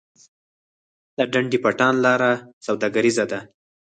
د ډنډ پټان لاره سوداګریزه ده